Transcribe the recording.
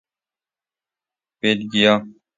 بید گیا